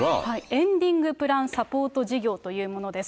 エンディングプラン・サポート事業というものです。